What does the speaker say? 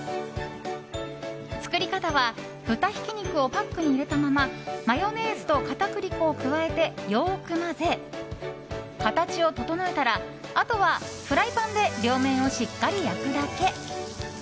作り方は豚ひき肉をパックに入れたままマヨネーズと片栗粉を加えてよく混ぜ形を整えたらあとはフライパンで両面をしっかり焼くだけ。